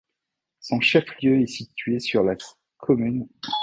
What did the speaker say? Son chef-lieu est situé sur la commune éponyme de Bir el-Ater.